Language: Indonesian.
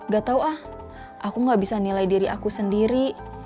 gak tau ah aku gak bisa nilai diri aku sendiri